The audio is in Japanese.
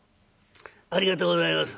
ありがとうございます。